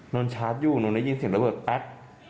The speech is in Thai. โดนชาร์ชอยู่ไม่ยินสิ่งระเบิดแป๊บ